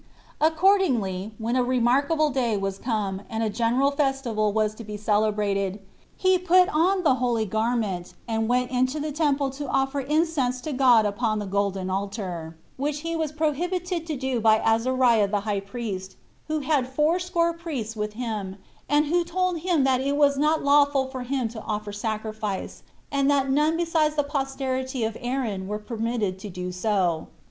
Accordingly, when a remarkable day was come, and a general festival was to be celebrated, he put on the holy garment, and went into the temple to offer incense to God upon the golden altar, which he was prohibited to do by Azariah the high priest, who had fourscore priests with him, and who told him that it was not lawful for him to offer sacrifice, and that "none besides the posterity of Aaron were permitted so to do."